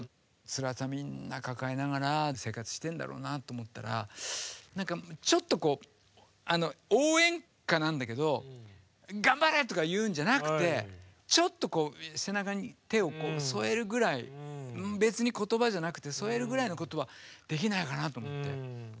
つらさみんな抱えながら生活してるんだろうなと思ったらちょっとこう応援歌なんだけど「頑張れ！」とか言うんじゃなくてちょっとこう背中に手を添えるぐらい別に言葉じゃなくて添えるぐらいのことはできないかなと思って。